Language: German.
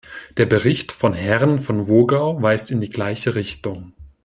Der Bericht von Herrn von Wogau weist in die gleiche Richtung.